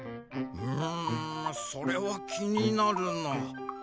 うむそれはきになるな。